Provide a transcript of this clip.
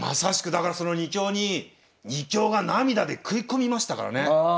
だからその２強に２強が涙で食い込みましたからね。